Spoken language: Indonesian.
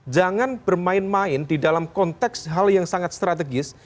jangan bermain main di dalam konteks hal yang sangat strategis